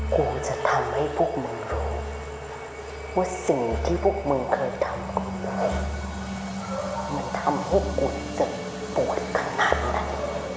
ผมจะทำให้พวกมันรู้ว่าสิ่งที่พวกมันเคยทำกับผมมันทำให้ผมจะปวดขนาดนั้น